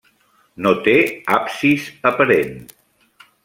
No té absis aparent.